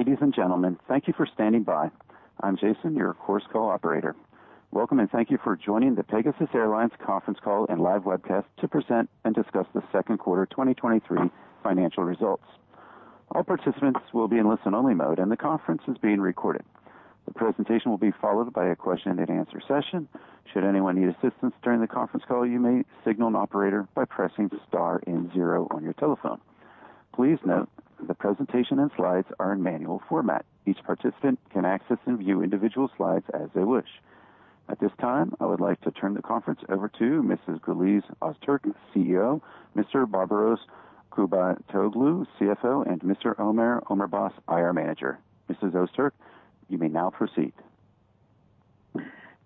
Ladies and gentlemen, thank you for standing by. I'm Jason, your Chorus Call operator. Welcome. Thank you for joining the Pegasus Airlines conference call and live webcast to present and discuss the second quarter 2023 financial results. All participants will be in listen-only mode. The conference is being recorded. The presentation will be followed by a question and answer session. Should anyone need assistance during the conference call, you may signal an operator by pressing star and zero on your telephone. Please note the presentation and slides are in manual format. Each participant can access and view individual slides as they wish. At this time, I would like to turn the conference over to Mrs. Güliz Öztürk, CEO, Mr. Barbaros Kubatoğlu, CFO, and Mr. Ömer Ömerbaş, IR Manager. Mrs. Öztürk, you may now proceed.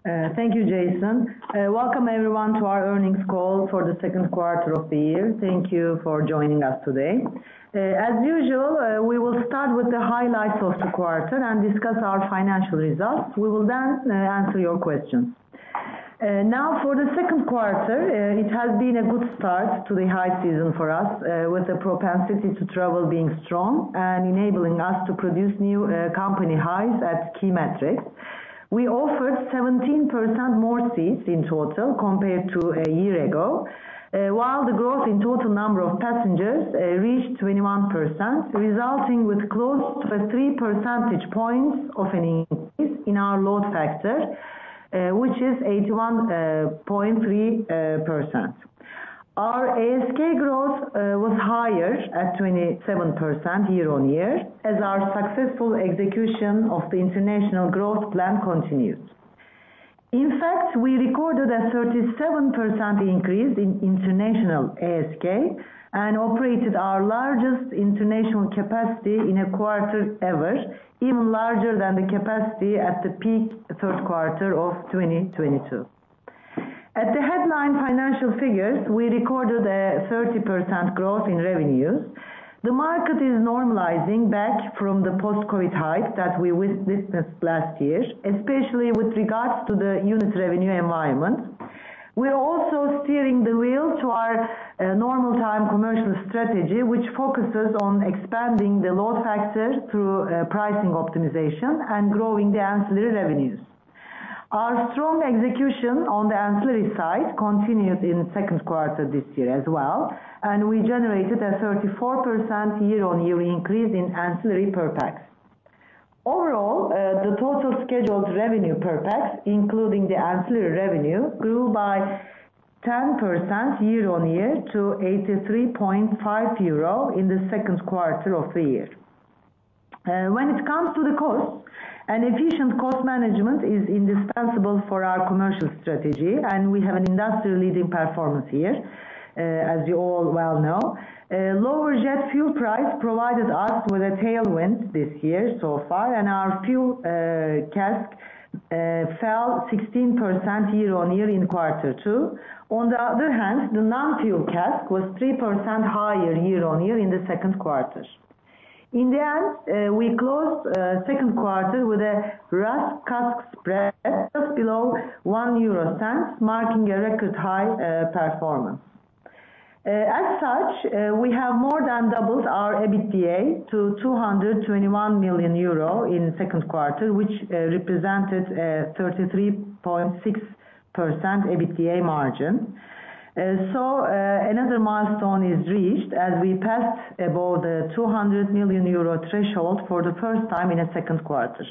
Thank you, Jason. Welcome everyone to our earnings call for the second quarter of the year. Thank you for joining us today. As usual, we will start with the highlights of the quarter and discuss our financial results. We will answer your questions. Now, for the second quarter, it has been a good start to the high season for us, with the propensity to travel being strong and enabling us to produce new company highs at key metrics. We offered 17% more seats in total compared to a year ago, while the growth in total number of passengers reached 21%, resulting with close to 3 percentage points of an increase in our load factor, which is 81.3%. Our ASK growth was higher at 27% year-on-year, as our successful execution of the international growth plan continues. In fact, we recorded a 37% increase in international ASK and operated our largest international capacity in a quarter ever, even larger than the capacity at the peak third quarter of 2022. At the headline financial figures, we recorded a 30% growth in revenues. The market is normalizing back from the post-COVID height that we witnessed last year, especially with regards to the unit revenue environment. We are also steering the wheel to our normal time commercial strategy, which focuses on expanding the load factor through pricing optimization and growing the ancillary revenues. Our strong execution on the ancillary side continued in the second quarter this year as well, and we generated a 34% year-on-year increase in ancillary per pax. Overall, the total scheduled revenue per pax, including the ancillary revenue, grew by 10% year-on-year to 83.5 euro in the second quarter of the year. When it comes to the cost, an efficient cost management is indispensable for our commercial strategy, and we have an industry-leading performance here, as you all well know. Lower jet fuel price provided us with a tailwind this year so far, and our fuel CASK fell 16% year-on-year in quarter two. On the other hand, the non-fuel CASK was 3% higher year-on-year in the second quarter. In the end, we closed second quarter with a RASK/CASK spread just below 0.01, marking a record high performance. As such, we have more than doubled our EBITDA to 221 million euro in the second quarter, which represented 33.6% EBITDA margin. Another milestone is reached as we passed above the 200 million euro threshold for the first time in a second quarter.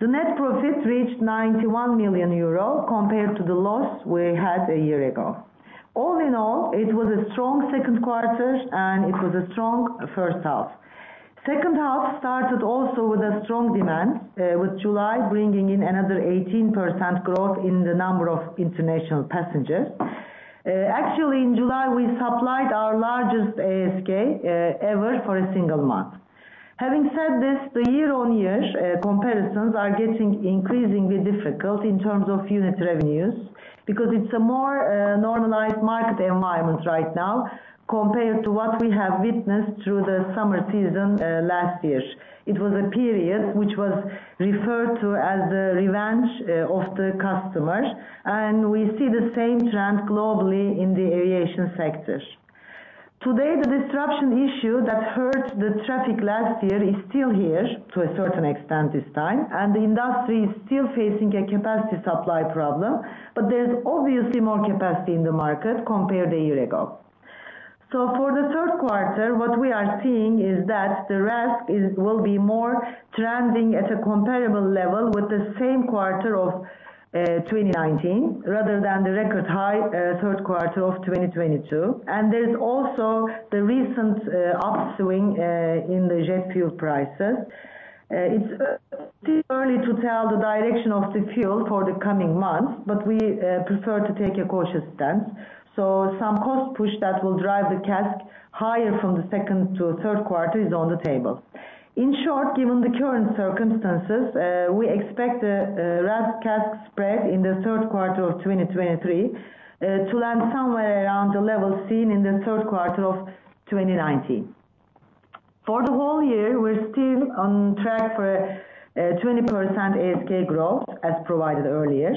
The net profit reached 91 million euro compared to the loss we had a year ago. All in all, it was a strong second quarter, and it was a strong first half. Second half started also with a strong demand, with July bringing in another 18% growth in the number of international passengers. Actually, in July, we supplied our largest ASK ever for a single month. Having said this, the year-on-year comparisons are getting increasingly difficult in terms of unit revenues, because it's a more normalized market environment right now compared to what we have witnessed through the summer season last year. It was a period which was referred to as the revenge of the customer, and we see the same trend globally in the aviation sector. Today, the disruption issue that hurt the traffic last year is still here to a certain extent this time, and the industry is still facing a capacity supply problem, but there's obviously more capacity in the market compared to a year ago. For the third quarter, what we are seeing is that the RASK will be more trending at a comparable level with the same quarter of 2019, rather than the record high third quarter of 2022. There's also the recent upswing in the jet fuel prices. It's still early to tell the direction of the fuel for the coming months, but we prefer to take a cautious stance. Some cost push that will drive the CASK higher from the second to third quarter is on the table. In short, given the current circumstances, we expect the RASK-CASK spread in the third quarter of 2023 to land somewhere around the level seen in the third quarter of 2019. For the whole year, we're still on track for a 20% ASK growth, as provided earlier.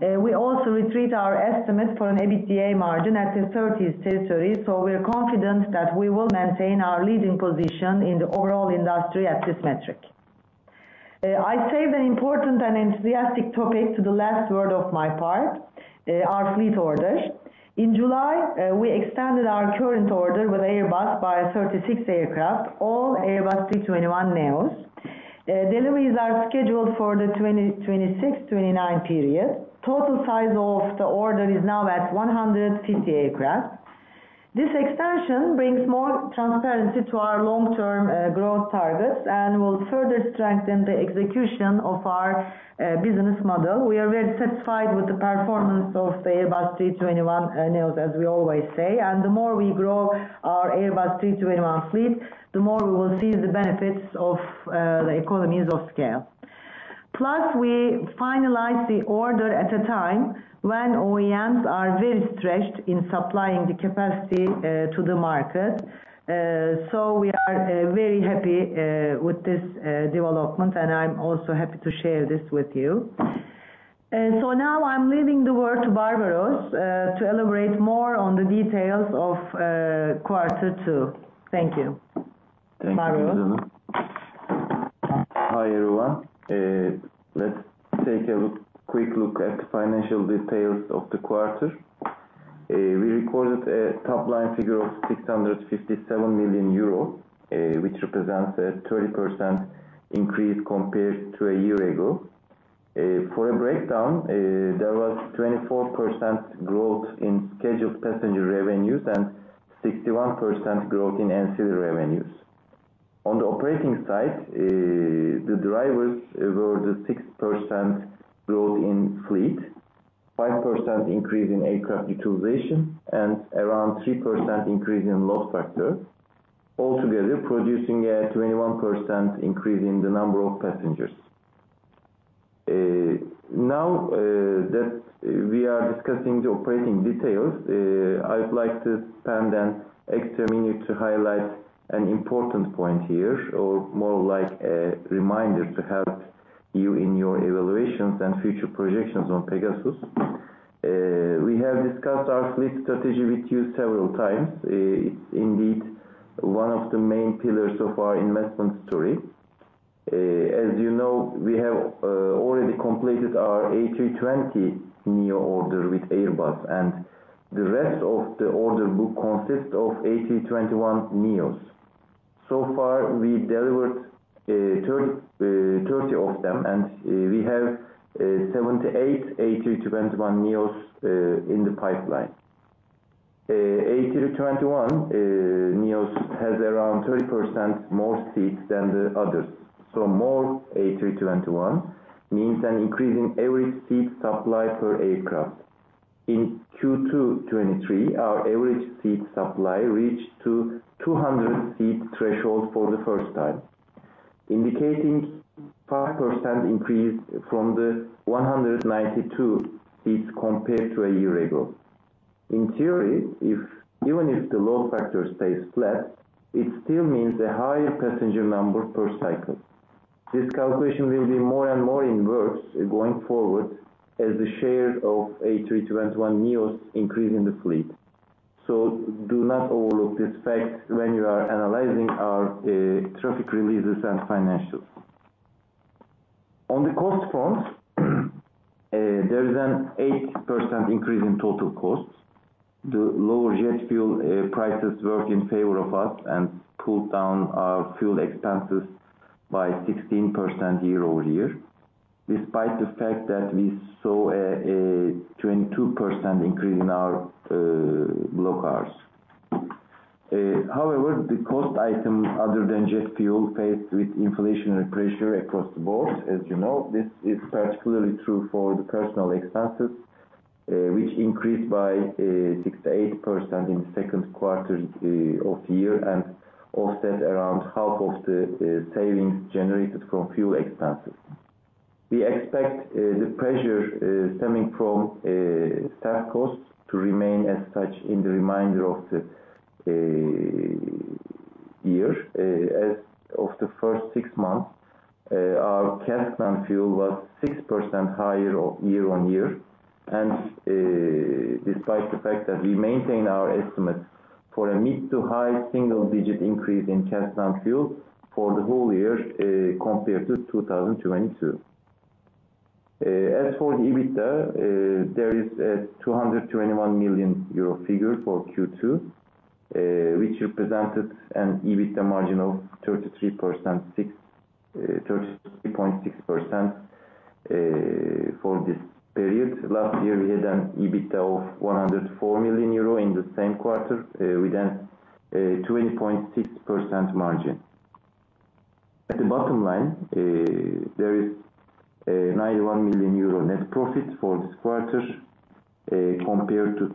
We also reiterate our estimates for an EBITDA margin at the 30s territory, so we're confident that we will maintain our leading position in the overall industry at this metric. I saved an important and enthusiastic topic to the last word of my part, our fleet order. In July, we extended our current order with Airbus by 36 aircraft, all Airbus A321neos. Deliveries are scheduled for the 2026-2029 period. Total size of the order is now at 150 aircraft. This expansion brings more transparency to our long-term growth targets and will further strengthen the execution of our business model. We are very satisfied with the performance of the Airbus A321neos, as we always say, and the more we grow our Airbus A321 fleet, the more we will see the benefits of the economies of scale. Plus, we finalize the order at a time when OEMs are very stretched in supplying the capacity to the market. We are very happy with this development, and I'm also happy to share this with you. Now I'm leaving the word to Barbaros to elaborate more on the details of quarter two. Thank you. Barbaros. Thank you, Güliz. Hi, everyone. Let's take a look, quick look at the financial details of the quarter. We recorded a top-line figure of 657 million euro, which represents a 30% increase compared to a year ago. For a breakdown, there was 24% growth in scheduled passenger revenues and 61% growth in ancillary revenues. On the operating side, the drivers were the 6% growth in fleet, 5% increase in aircraft utilization, and around 3% increase in load factor. Altogether, producing a 21% increase in the number of passengers. Now, that we are discussing the operating details, I'd like to spend an extra minute to highlight an important point here, or more like a reminder to help you in your evaluations and future projections on Pegasus. We have discussed our fleet strategy with you several times. It's indeed one of the main pillars of our investment story. As you know, we have already completed our A320neo order with Airbus, the rest of the order book consists of A321neos. So far, we delivered 30 of them, and we have 78 A321neos in the pipeline. A321 Neos has around 30% more seats than the others. More A321 means an increase in every seat supply per aircraft. In Q2 2023, our average seat supply reached to 200 seat threshold for the first time, indicating 5% increase from the 192 seats compared to a year ago. In theory, even if the load factor stays flat, it still means a higher passenger number per cycle. This calculation will be more and more invers going forward as the share of A321neos increase in the fleet. Do not overlook this fact when you are analyzing our traffic releases and financials. On the cost front, there is an 8% increase in total costs. The lower jet fuel prices work in favor of us and pull down our fuel expenses by 16% year-over-year, despite the fact that we saw a 22% increase in our block hours. However, the cost item other than jet fuel, faced with inflationary pressure across the board, as you know, this is particularly true for the personal expenses, which increased by 68% in the second quarter of the year, and offset around half of the savings generated from fuel expenses. We expect the pressure stemming from staff costs to remain as such in the remainder of the year. As of the first six months, our CASK non-fuel was 6% higher year-over-year, despite the fact that we maintain our estimates for a mid to high single digit increase in CASK non-fuel for the whole year, compared to 2022. As for the EBITDA, there is a 221 million euro figure for Q2, which represented an EBITDA margin of 33.6% for this period. Last year, we had an EBITDA of 104 million euro in the same quarter, with a 20.6% margin. At the bottom line, there is a 91 million euro net profit for this quarter, compared to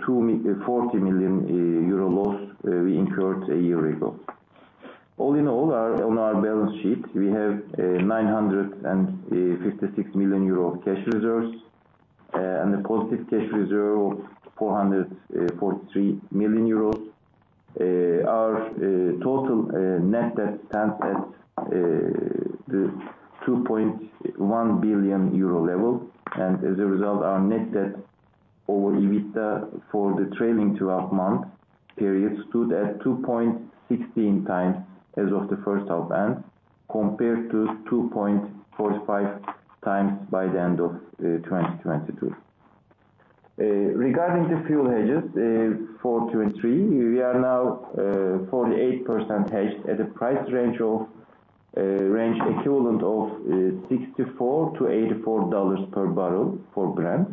40 million euro loss we incurred a year ago. All in all, our, on our balance sheet, we have a 956 million euro of cash reserves, and a positive cash reserve of 443 million euros. Our total net debt stands at the 2.1 billion euro level. As a result, our net debt to EBITDA for the trailing twelve-month period stood at 2.16 times as of the first half end, compared to 2.45x by the end of 2022. Regarding the fuel hedges, for 2023, we are now 48% hedged at a price range equivalent of $64-$84 per barrel for Brent.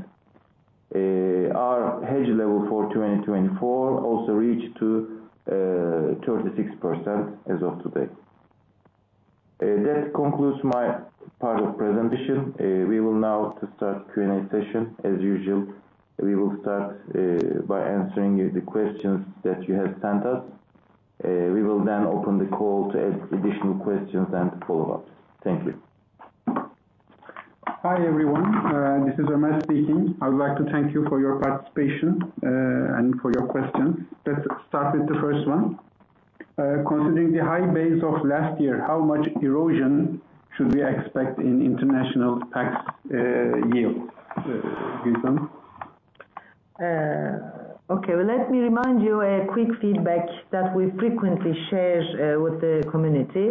Our hedge level for 2024 also reached to 36% as of today. That concludes my part of presentation. We will now to start Q&A session. As usual, we will start by answering you the questions that you have sent us. We will then open the call to ask additional questions and follow-ups. Thank you. Hi, everyone. This is Ömer speaking. I would like to thank you for your participation and for your questions. Let's start with the first one. Considering the high base of last year, how much erosion should we expect in international tax yield, Güliz? Okay, well, let me remind you a quick feedback that we frequently share with the community.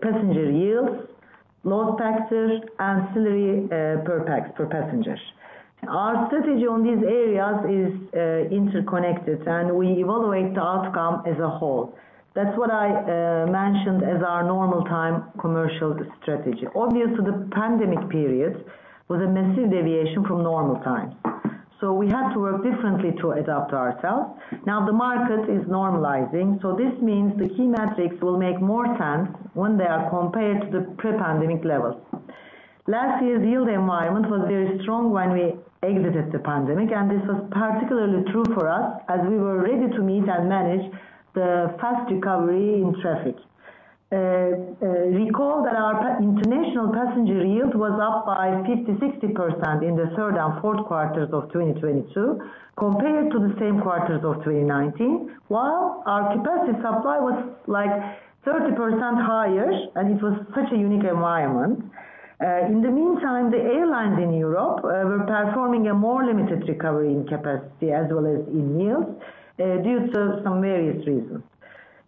Passenger yields, low taxes, ancillary per pax, per passengers. Our strategy on these areas is interconnected, and we evaluate the outcome as a whole. That's what I mentioned as our normal time commercial strategy. Obviously, the pandemic period was a massive deviation from normal times, so we had to work differently to adapt ourselves. Now the market is normalizing, so this means the key metrics will make more sense when they are compared to the pre-pandemic levels. Last year's yield environment was very strong when we exited the pandemic, and this was particularly true for us as we were ready to meet and manage the fast recovery in traffic. Recall that our international passenger yield was up by 50%-60% in the third and fourth quarters of 2022, compared to the same quarters of 2019. Our capacity supply was, like, 30% higher, and it was such a unique environment. In the meantime, the airlines in Europe were performing a more limited recovery in capacity as well as in yields due to some various reasons.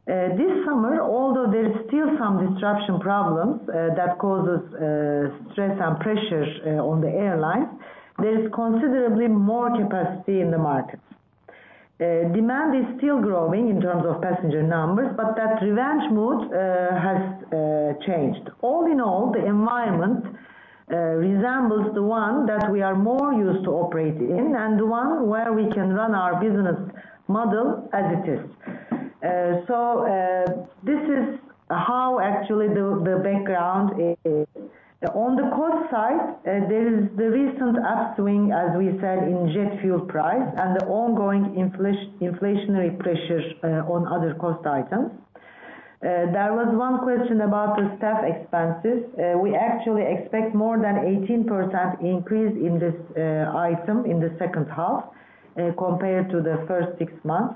This summer, although there is still some disruption problems that causes stress and pressure on the airlines, there is considerably more capacity in the markets. Demand is still growing in terms of passenger numbers, but that revenge mood has changed. All in all, the environment, resembles the one that we are more used to operating in and one where we can run our business model as it is. This is how actually the, the background is. On the cost side, there is the recent upswing, as we said, in jet fuel price and the ongoing inflationary pressures, on other cost items. There was one question about the staff expenses. We actually expect more than 18% increase in this item in the second half, compared to the first six months.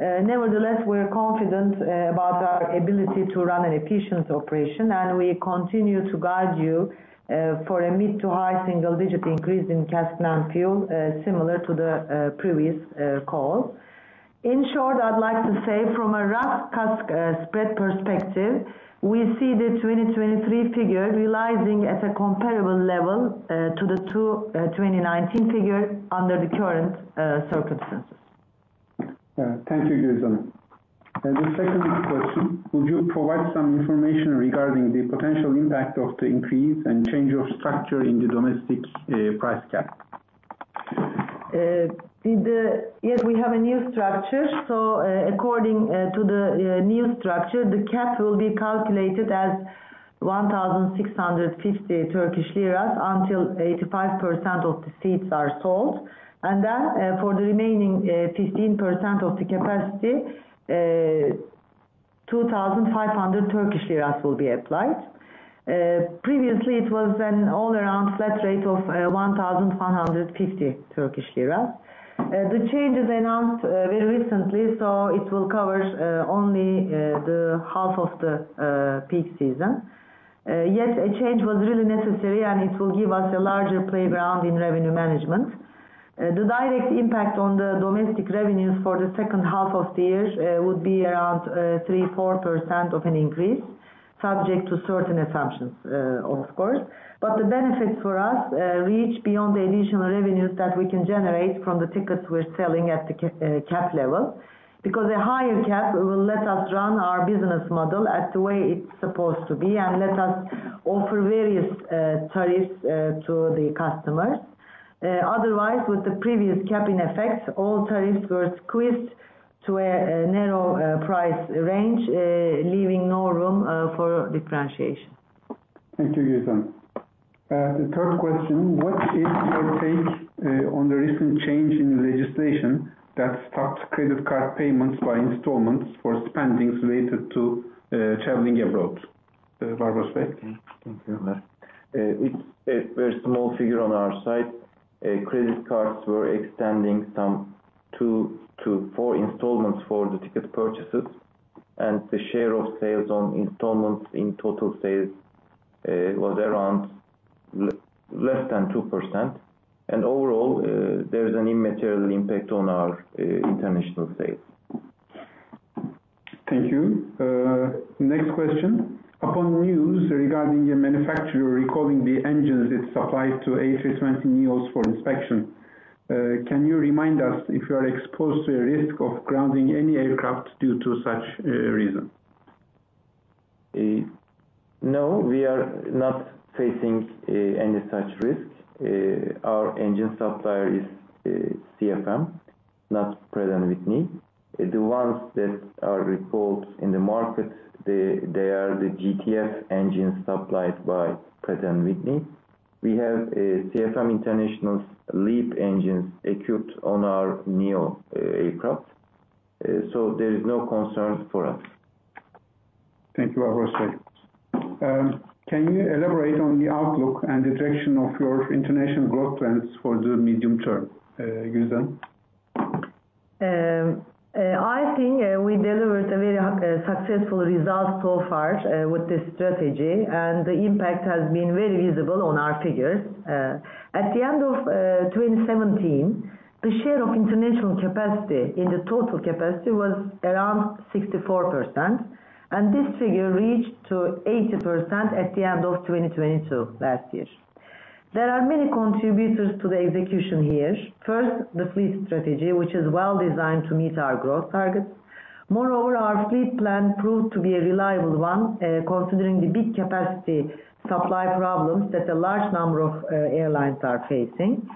Nevertheless, we're confident about our ability to run an efficient operation, and we continue to guide you for a mid to high single digit increase in CASK non-fuel, similar to the previous call. In short, I'd like to say from a RASK CASK spread perspective, we see the 2023 figure realizing at a comparable level, to the 2019 figure under the current circumstances. Thank you, Güliz. The second question: Would you provide some information regarding the potential impact of the increase and change of structure in the domestic price cap? Yes, we have a new structure. According to the new structure, the cap will be calculated as 1,650 Turkish liras until 85% of the seats are sold. Then, for the remaining 15% of the capacity, 2,500 Turkish liras will be applied. Previously it was an all around flat rate of 1,150 Turkish liras. The change is announced very recently, so it will cover only the half of the peak season. Yes, a change was really necessary, and it will give us a larger playground in revenue management. The direct impact on the domestic revenues for the second half of the year, would be around 3%-4% of an increase, subject to certain assumptions, of course. The benefits for us, reach beyond the additional revenues that we can generate from the tickets we're selling at the cap level. A higher cap will let us run our business model at the way it's supposed to be and let us offer various tariffs to the customers. Otherwise, with the previous capping effects, all tariffs were squeezed to a narrow price range, leaving no room for differentiation. Thank you, Güliz. The third question: What is your take on the recent change in legislation that stopped credit card payments by installments for spendings related to traveling abroad? Barbaros Bey? Thank you. It's a very small figure on our side. Credit cards were extending some two to four installments for the ticket purchases. The share of sales on installments in total sales, was around less than 2%. Overall, there is an immaterial impact on our international sales. Thank you. Next question: Upon news regarding a manufacturer recalling the engines it supplied to A320neos for inspection, can you remind us if you are exposed to a risk of grounding any aircraft due to such reason? No, we are not facing any such risk. Our engine supplier is CFM, not Pratt & Whitney. The ones that are recalled in the market, they, they are the GTF engines supplied by Pratt & Whitney. We have CFM International's LEAP engines equipped on our neo aircraft, so there is no concern for us. Thank you, Barbaros Bey. Can you elaborate on the outlook and the direction of your international growth plans for the medium term, Güliz? I think, we delivered a very successful result so far, with this strategy, and the impact has been very visible on our figures. At the end of 2017, the share of international capacity in the total capacity was around 64%, and this figure reached to 80% at the end of 2022, last year. There are many contributors to the execution here. First, the fleet strategy, which is well-designed to meet our growth targets. Moreover, our fleet plan proved to be a reliable one, considering the big capacity supply problems that a large number of airlines are facing.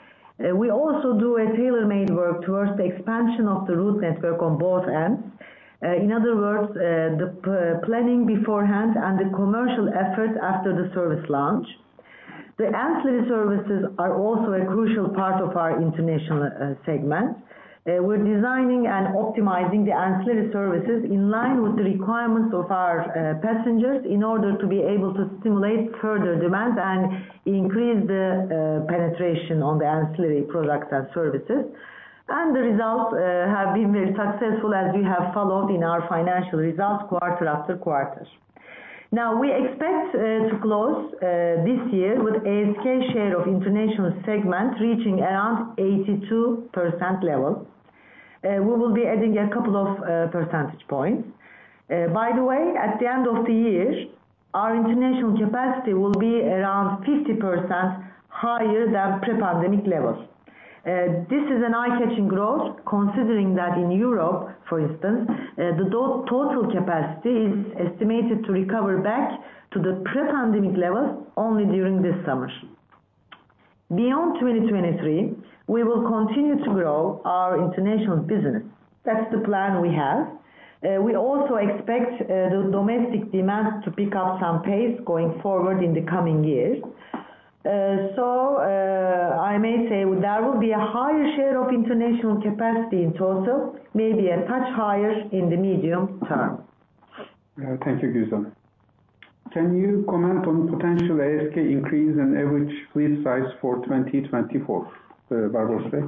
We also do a tailor-made work towards the expansion of the route network on both ends. In other words, the planning beforehand and the commercial effort after the service launch. The ancillary services are also a crucial part of our international segment. We're designing and optimizing the ancillary services in line with the requirements of our passengers, in order to be able to stimulate further demand and increase the penetration on the ancillary products and services. The results have been very successful, as we have followed in our financial results quarter after quarter. Now, we expect to close this year with ASK share of international segment reaching around 82% level. We will be adding a couple of percentage points. By the way, at the end of the year, our international capacity will be around 50% higher than pre-pandemic levels. This is an eye-catching growth, considering that in Europe, for instance, the total capacity is estimated to recover back to the pre-pandemic level only during this summer. Beyond 2023, we will continue to grow our international business. That's the plan we have. We also expect the domestic demand to pick up some pace going forward in the coming years. I may say there will be a higher share of international capacity in total, maybe a touch higher in the medium term. Thank you, Güliz. Can you comment on potential ASK increase in average fleet size for 2024, Barbaros Bey?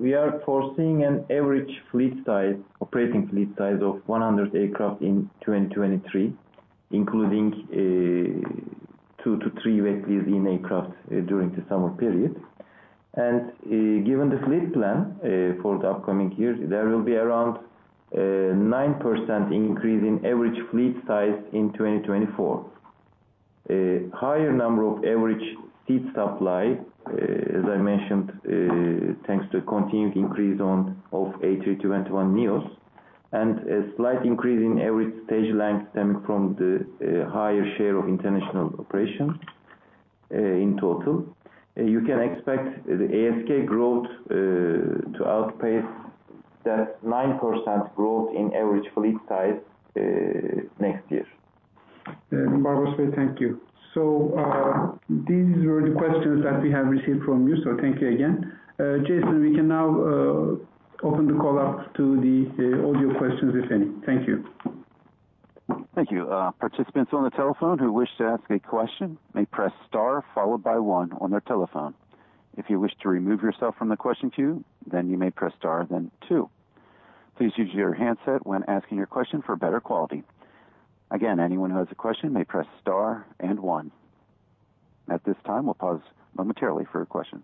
We are foreseeing an average fleet size, operating fleet size of 100 aircraft in 2023, including two to three wet leases in aircraft during the summer period. Given the fleet plan for the upcoming years, there will be around 9% increase in average fleet size in 2024. A higher number of average seat supply, as I mentioned, thanks to continued increase on, of A321neos, and a slight increase in average stage length stemming from the higher share of international operations in total. You can expect the ASK growth to outpace that 9% growth in average fleet size next year. Barbaros Bey, thank you. These were the questions that we have received from you, so thank you again. Jason, we can now open the call up to the audio questions, if any. Thank you. Thank you. Participants on the telephone who wish to ask a question may press star followed by one on their telephone. If you wish to remove yourself from the question queue, then you may press star, then two. Please use your handset when asking your question for better quality. Again, anyone who has a question may press star and one. At this time, we'll pause momentarily for a question.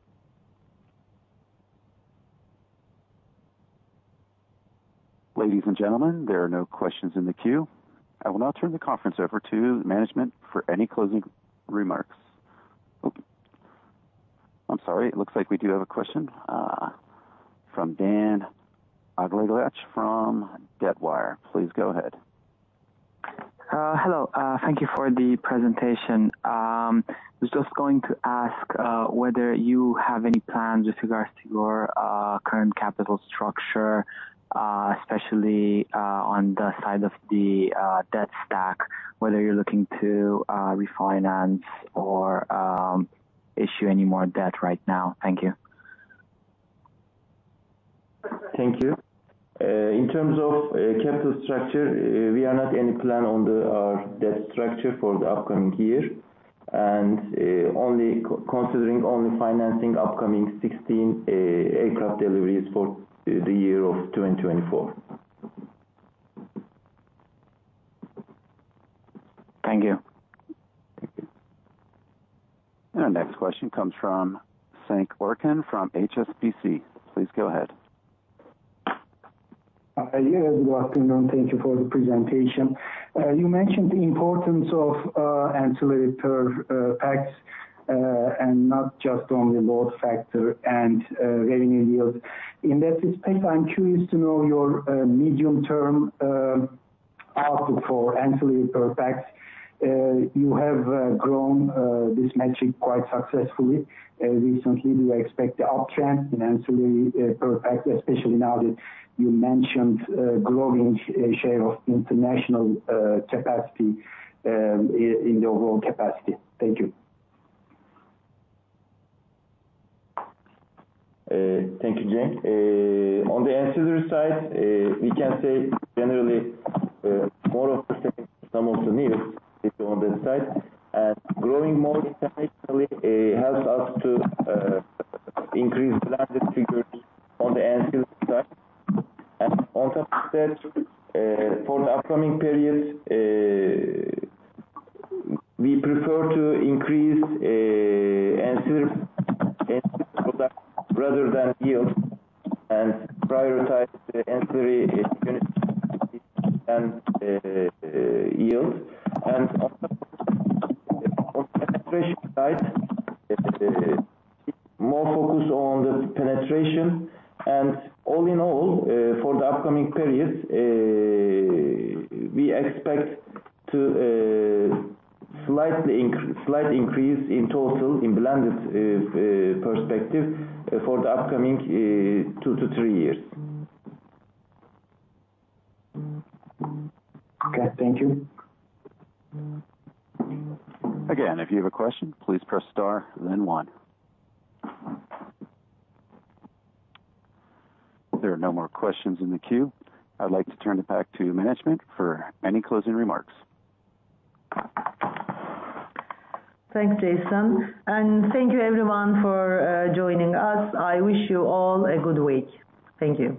Ladies and gentlemen, there are no questions in the queue. I will now turn the conference over to management for any closing remarks. Oh, I'm sorry. It looks like we do have a question from Dan Iglesias from Debtwire. Please go ahead. Hello. Thank you for the presentation. I was just going to ask whether you have any plans with regards to your current capital structure, especially on the side of the debt stack, whether you're looking to refinance or issue any more debt right now? Thank you.... Thank you. in terms of, capital structure, we are not any plan on the, debt structure for the upcoming year, and, only considering only financing upcoming 16, aircraft deliveries for the year of 2024. Thank you. Our next question comes from Cenk Orcan from HSBC. Please go ahead. Yes, good afternoon. Thank you for the presentation. You mentioned the importance of ancillary per pax, and not just on the load factor and revenue yield. In that respect, I'm curious to know your medium-term output for ancillary per pax. You have grown this metric quite successfully recently. Do you expect the uptrend in ancillary per pax, especially now that you mentioned growing a share of international capacity in the overall capacity? Thank you. Thank you, Cenk. On the ancillary side, we can say generally, more of the same, some of the needs is on that side. Growing more internationally, helps us to increase blended figures on the ancillary side. Also, for the upcoming periods, we prefer to increase ancillary products rather than yield, prioritize the ancillary unit and yield. On the penetration side, more focus on the penetration. All in all, for the upcoming periods, we expect to slightly increase in total, in blended perspective for the upcoming 2-3 years. Okay, thank you. Again, if you have a question, please press star, then one. There are no more questions in the queue. I'd like to turn it back to management for any closing remarks. Thanks, Jason, and thank you everyone for joining us. I wish you all a good week. Thank you.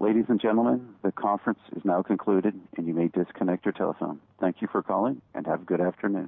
Ladies and gentlemen, the conference is now concluded and you may disconnect your telephone. Thank you for calling, and have a good afternoon.